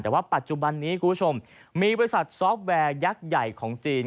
แต่ว่าปัจจุบันนี้คุณผู้ชมมีบริษัทซอฟต์แวร์ยักษ์ใหญ่ของจีน